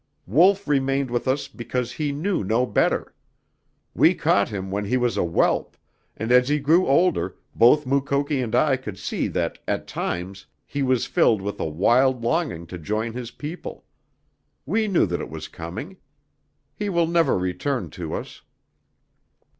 Wolf remained with us because he knew no better. We caught him when he was a whelp, and as he grew older both Mukoki and I could see that at times he was filled with a wild longing to join his people. We knew that it was coming. He will never return to us."